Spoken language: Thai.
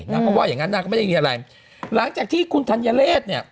เขาก็ว่าอย่างงั้นนางก็ไม่ได้มีอะไรหลังจากที่คุณธัญเศษเนี่ย